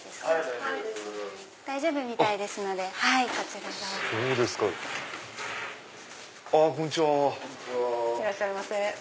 いらっしゃいませ。